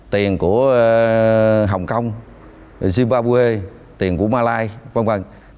tiền của hồng kông zimbabwe tiền của mà lai v v